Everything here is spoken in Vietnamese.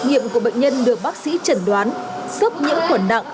sớp nhiễm khuẩn nặng